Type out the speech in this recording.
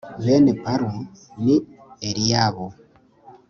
Bene Palu ni Eliyabu